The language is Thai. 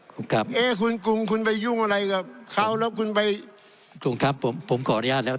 คุณครับเอ๊ะคุณกรุงคุณไปยุ่งอะไรกับเขาแล้วคุณไปถูกทับผมผมขออนุญาตแล้ว